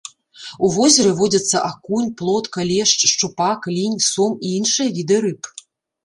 У возеры водзяцца акунь, плотка, лешч, шчупак, лінь, сом і іншыя віды рыб.